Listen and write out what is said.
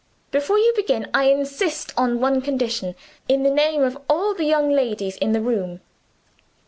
Before you begin I insist on one condition, in the name of all the young ladies in the room.